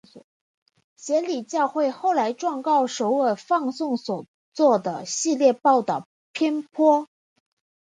摄理教会后来状告首尔放送所做的系列报导偏颇。